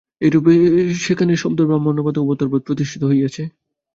এইরূপে সেখানে শব্দব্রহ্মবাদ ও অবতারবাদ প্রতিষ্ঠিত হইয়াছে।